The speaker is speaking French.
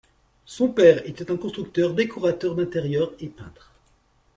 Son père était un constructeur, décorateur d'intérieur et peintre.